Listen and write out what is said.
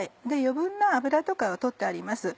余分な脂とかは取ってあります。